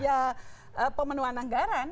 ya pemenuhan anggaran